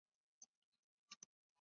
在蓝彼得一词。